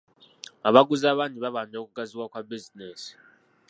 Abaguzi abangi babanja okugaziwa kwa bizinensi.